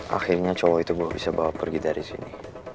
akhirnya cowok itu bisa bawa pergi dari sini